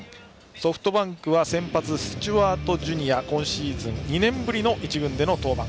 ソフトバンクは先発、スチュワート・ジュニア２年ぶりの１軍での登板。